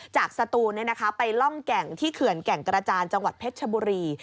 สตูนไปล่องแก่งที่เขื่อนแก่งกระจานจังหวัดเพชรชบุรี